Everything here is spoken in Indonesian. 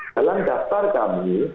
dalam daftar kami